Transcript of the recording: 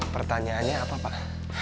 pertanyaannya apa pak